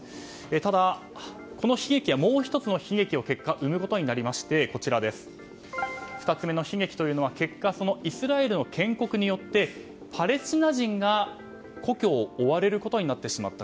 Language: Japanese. ただ、この悲劇はもう１つの悲劇を結果、産むことになりまして２つ目の悲劇は、結果そのイスラエルの建国によってパレスチナ人が故郷を追われることになってしまった。